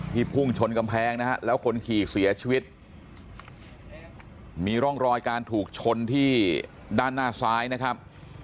พุ่งชนกำแพงนะฮะแล้วคนขี่เสียชีวิตมีร่องรอยการถูกชนที่ด้านหน้าซ้ายนะครับ